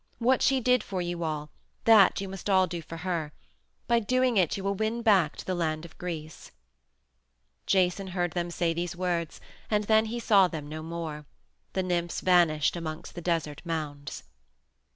What she did for you all, that you all must do for her; by doing it you will win back to the land of Greece." Jason heard them say these words and then he saw them no more; the nymphs vanished amongst the desert mounds.